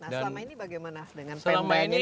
nah selama ini bagaimana dengan permainnya